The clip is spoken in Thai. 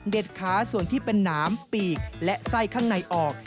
เด็ดค้าส่วนที่เป็นน้ำปีกและไส้ข้างในออก